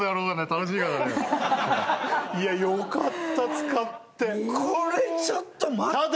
楽しいからねいやよかった使ってこれちょっと待ってただ！